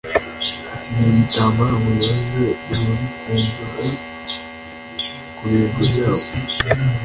Akenyeye igitambaro ngo yoze ururikungugu ku birenge byabo.